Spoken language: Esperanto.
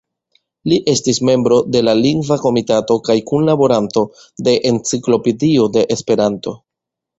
Li estis membro de la Lingva Komitato kaj kunlaboranto de "Enciklopedio de Esperanto".